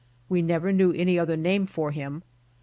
We never knew any other name for him.